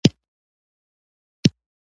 هغه د ښکلو شعرونو په ویلو سره یو نوښت وکړ